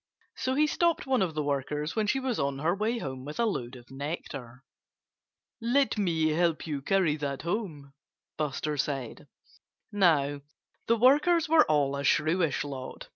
So he stopped one of the workers when she was on her way home with a load of nectar. "Let me help you carry that home!" Buster said. Now, the workers were all a shrewish lot.